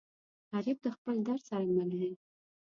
غریب د خپل درد سره مل وي